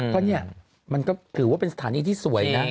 เพราะเนี่ยมันก็ถือว่าเป็นสถานีที่สวยนะ